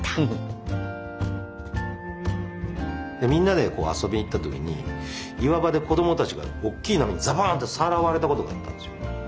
みんなで遊びに行った時に岩場で子どもたちが大きい波にザバーンってさらわれたことがあったんですよ。